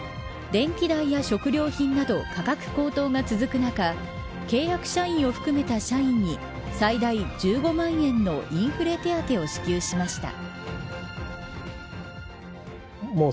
電気代や食料品など価格高騰が続く中契約社員を含めた社員に最大１５万円のインフレ手当を支給しました。